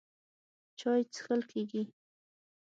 چای څښل کېږي.